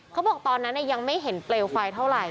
เขาบอกตอนนั้นยังไม่เห็นเปลวไฟเท่าไหร่